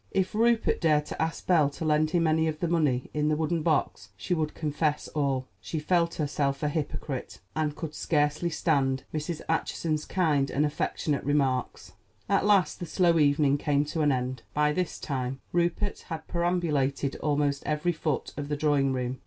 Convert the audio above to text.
If Rupert dared to ask Belle to lend him any of the money in the wooden box she would confess all. She felt herself a hypocrite, and could scarcely stand Mrs. Acheson's kind and affectionate remarks. At last the slow evening came to an end. By this time Rupert had perambulated almost every foot of the drawing room.